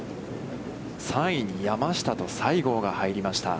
３位に山下と西郷が入りました。